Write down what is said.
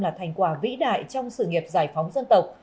là thành quả vĩ đại trong sự nghiệp giải phóng dân tộc